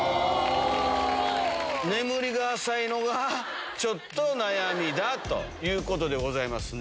眠りが浅いのが、ちょっと悩みだということでございますね。